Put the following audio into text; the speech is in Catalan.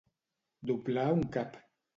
Doblar un cap.